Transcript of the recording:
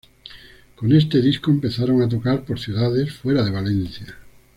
Con este disco empezaron a tocar por ciudades fuera de Valencia.